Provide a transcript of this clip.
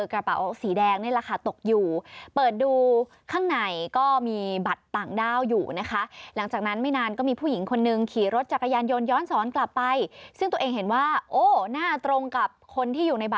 ขณะที่เขาเก็บกระเป๋าตังสีแดงตกข้างถนนแล้วก็ขี่รถจักรยานยนต์ย้อนกลับมาส่งคืนให้ทุกคนได้นะคะ